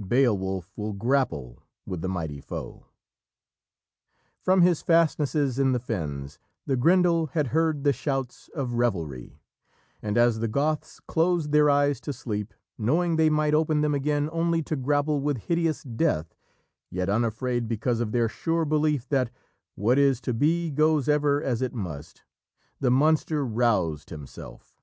Beowulf will grapple with the mighty foe." From his fastnesses in the fens, the Grendel had heard the shouts of revelry, and as the Goths closed their eyes to sleep, knowing they might open them again only to grapple with hideous death, yet unafraid because of their sure belief that "What is to be goes ever as it must," the monster roused himself.